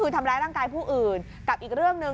๑ทำร้ายร่างกายผู้อื่น